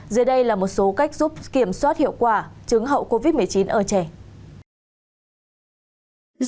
dưới đây là một số cách giúp kiểm soát hiệu quả chứng hậu covid một mươi chín ở trẻ